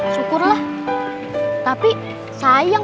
syukurlah tapi sayang